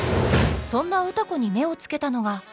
そんな歌子に目をつけたのが。